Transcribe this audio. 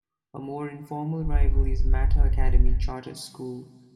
A more informal rival is Mater Academy Charter School.